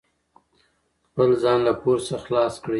خپل ځان له پور څخه خلاص کړئ.